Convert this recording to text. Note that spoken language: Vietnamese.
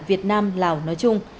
việt nam lào nói chung